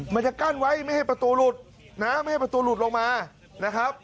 มันจะกั้นไว้ไม่ให้ประตูหลุดนะไม่ให้ประตูหลุดลงมานะครับ